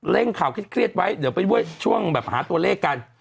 เร่งข่าวเครียดไว้เดี๋ยวไปช่วงหาตัวเลขกัน